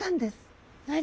何？